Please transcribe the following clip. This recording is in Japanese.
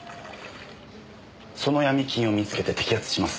そのヤミ金を見つけて摘発します。